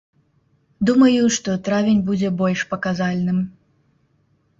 Думаю, што травень будзе больш паказальным.